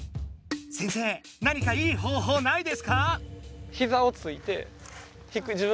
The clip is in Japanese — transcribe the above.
先生何かいい方法ないですか？